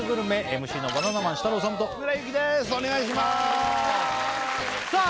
ＭＣのバナナマン設楽統と日村勇紀ですお願いしますさあ